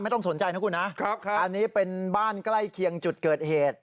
ต้องสนใจนะคุณนะอันนี้เป็นบ้านใกล้เคียงจุดเกิดเหตุ